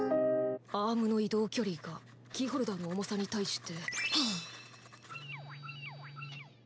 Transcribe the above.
アームの移動距離がキーホルダーの重さに対して。